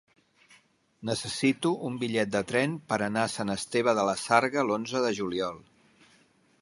Necessito un bitllet de tren per anar a Sant Esteve de la Sarga l'onze de juliol.